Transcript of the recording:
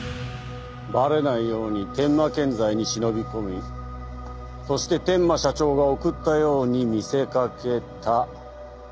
バレないように天馬建材に忍び込みそして天馬社長が送ったように見せかけた。